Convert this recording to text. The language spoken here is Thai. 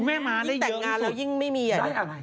ยิ่งแต่งงานแล้วยิ่งไม่มี